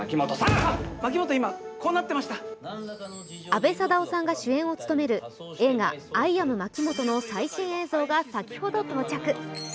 阿部サダヲさんが主演を務める映画「アイ・アムまきもと」の最新映像が先ほど到着。